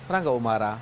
rangga umara dan pasar